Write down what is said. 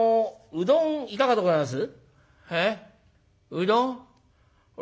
うどんいかがでございます？」。